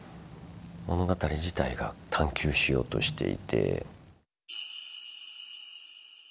物語自体が探究しようとしていて。